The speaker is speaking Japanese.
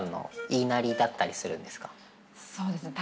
そうですね。